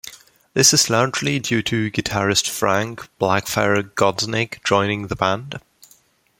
This is largely due to guitarist Frank "Blackfire" Godznik joining the band.